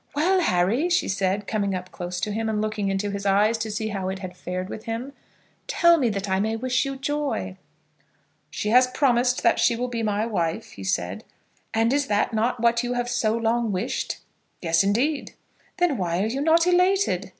"Well, Harry," she said, coming up close to him, and looking into his eyes to see how it had fared with him, "tell me that I may wish you joy." "She has promised that she will be my wife," he said. "And is not that what you have so long wished?" "Yes, indeed." "Then why are you not elated?"